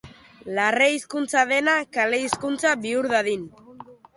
Larre hizkuntza dena kale hizkuntza bihur dadin.